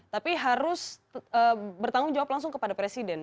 tapi harus bertanggung jawab langsung kepada presiden